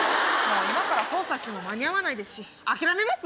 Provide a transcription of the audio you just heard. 今から捜査しても間に合わないし諦めます？